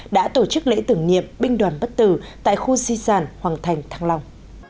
đã tổ chức lễ tưởng niệm binh đoàn bất tử tại khu di sản hoàng thành thăng long